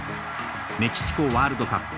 メキシコワールドカップ。